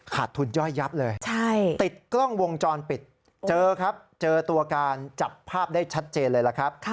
ขาดทุนย่อยยับเลยติดกล้องวงจรปิดเจอครับเจอตัวการจับภาพได้ชัดเจนเลยล่ะครับ